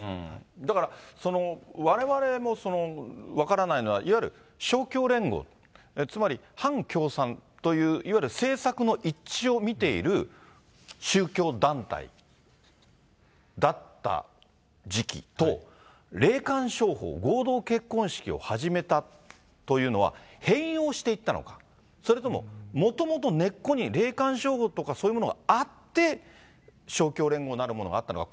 だから、われわれもその分からないのは、いわゆる勝共連合、つまり反共産という、いわゆる政策の一致を見ている宗教団体だった時期と、霊感商法、合同結婚式を始めたというのは、変容していったのか、それとももともと根っこに霊感商法とかそういうものがあって、勝共連合なるものがあったのか。